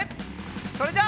それじゃあ。